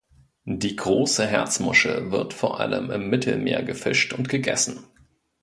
Die Große Herzmuschel wird vor allem im Mittelmeer gefischt und gegessen.